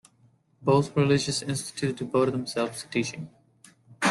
Both religious institutes devoted themselves to teaching.